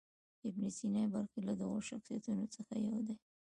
ابن سینا بلخي له دغو شخصیتونو څخه یو دی.